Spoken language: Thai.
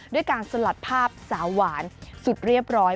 ด้วยการสลัดภาพสาวหวานสุดเรียบร้อย